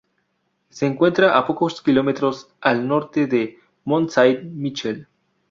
Se encuentra a pocos kilómetros al norte de Mont Saint-Michel.